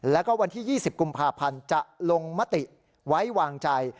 แล้วก็วันที่๒๐กุมภาพันธ์จะลงมติไว้วางใจ